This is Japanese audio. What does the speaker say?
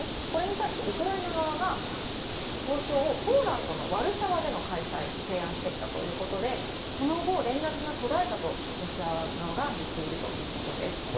これに対して、ウクライナ側が交渉をポーランドのワルシャワでの開催を提案したということでその後、連絡が途絶えたとロシア側が言っているということです。